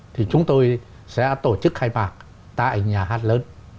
thì chúng tôi sẽ tổ chức khai mạc tại nhà hát lớn